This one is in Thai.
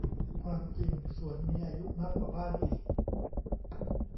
ความจริงสวนมีอายุมากกว่าบ้านอีก